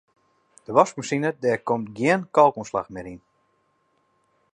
De waskmasine dêr komt gjin kalkoanslach mear yn.